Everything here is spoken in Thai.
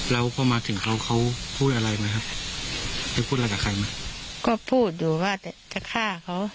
เราพอมาถึงเขาเขาพูดอะไรไหมครับไปพูดอะไรกับใครไหมก็พูดอยู่ว่าจะจะฆ่าเขา